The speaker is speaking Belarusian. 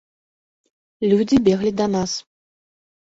Людзі беглі да нас.